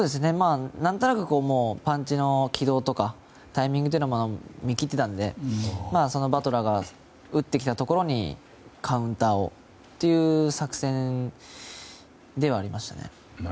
何となくパンチの軌道とかタイミングとかは見切っていたのでバトラーが打ってきたところにカウンターをという作戦ではありましたね。